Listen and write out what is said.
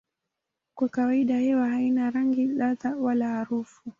Kwa kawaida hewa haina rangi, ladha wala harufu.